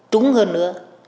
trúng hơn nữa